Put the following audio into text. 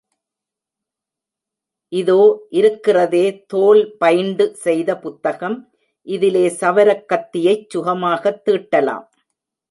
இதோ இருக்கிறதே தோல் பைண்டு செய்த புத்தகம், இதிலே சவரக் கத்தியைச் சுகமாகத் தீட்டலாம்.